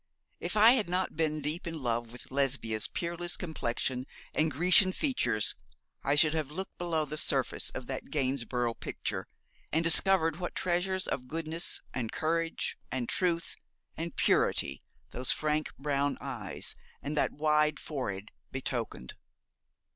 If I had not been deep in love with Lesbia's peerless complexion and Grecian features, I should have looked below the surface of that Gainsborough picture, and discovered what treasures of goodness, and courage, and truth and purity those frank brown eyes and that wide forehead betokened.